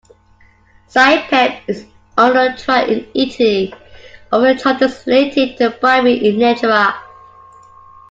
Saipem is under trial in Italy over charges relating to bribery in Nigeria.